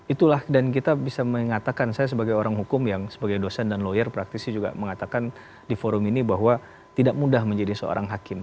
itulah dan kita bisa mengatakan saya sebagai orang hukum yang sebagai dosen dan lawyer praktisi juga mengatakan di forum ini bahwa tidak mudah menjadi seorang hakim